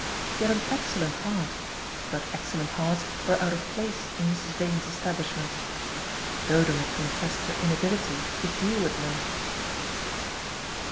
She had an excellent heart, but excellent hearts were out of place in Mrs. Vane's establishment. Dodo had confessed her inability to deal with them.